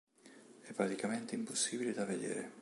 È praticamente impossibile da vedere.